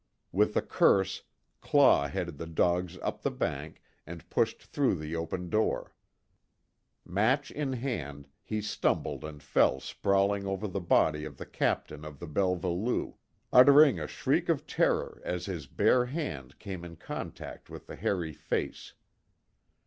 With a curse, Claw headed the dogs up the bank, and pushed through the open door. Match in hand, he stumbled and fell sprawling over the body of the Captain of the Belva Lou, uttering a shriek of terror as his bare hand came in contact with the hairy face.